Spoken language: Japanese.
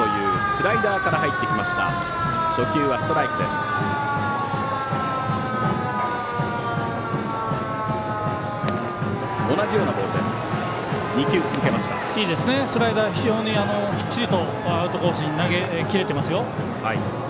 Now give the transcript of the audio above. スライダー非常にきっちりとアウトコースに投げきれてますよ。